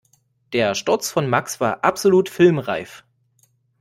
Der Sturz von Max war absolut filmreif.